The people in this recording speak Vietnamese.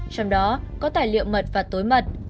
trong đó có tài liệu mật và tối mật